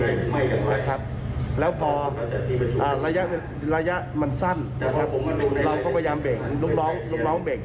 น่าประชาพี่สะยาอยู่แล้ว